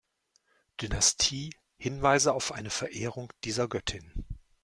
Dynastie Hinweise auf eine Verehrung dieser Göttin.